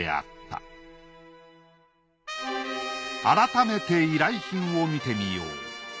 改めて依頼品を見てみよう。